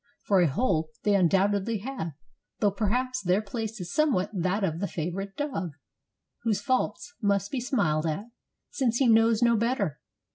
For a hold they undoubtedly have, though perhaps their place is somewhat that of the favorite dog, whose faults must be smiled at, since he knows no bet ter.